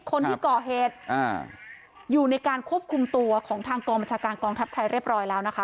คนที่ก่อเหตุอ่าอยู่ในการควบคุมตัวของทางกองบัญชาการกองทัพไทยเรียบร้อยแล้วนะคะ